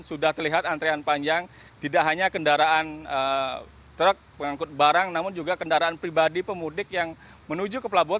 sudah terlihat antrean panjang tidak hanya kendaraan truk pengangkut barang namun juga kendaraan pribadi pemudik yang menuju ke pelabuhan